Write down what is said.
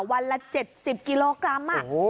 วันละ๗๐กิโลกรัม